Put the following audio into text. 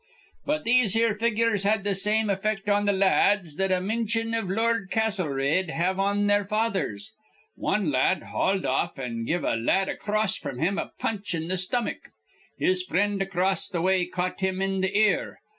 But these here figures had th' same effect on th' la ads that a mintion iv Lord Castlereagh'd have on their fathers. Wan la ad hauled off, an' give a la ad acrost fr'm him a punch in th' stomach. His frind acrost th' way caught him in th' ear.